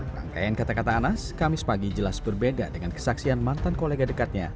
rangkaian kata kata anas kamis pagi jelas berbeda dengan kesaksian mantan kolega dekatnya